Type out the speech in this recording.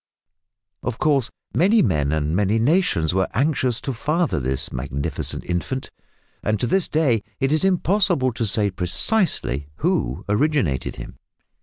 Of course, many men and many nations were anxious to father this magnificent infant, and to this day it is impossible to say precisely who originated him.